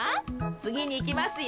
つぎにいきますよ。